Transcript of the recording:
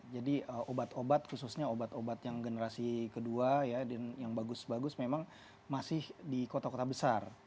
jadi obat obat khususnya obat obat yang generasi kedua yang bagus bagus memang masih di kota kota besar